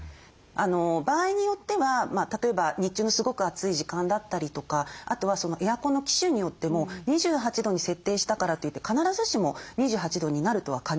場合によっては例えば日中のすごく暑い時間だったりとかあとはエアコンの機種によっても２８度に設定したからといって必ずしも２８度になるとは限らないわけですね。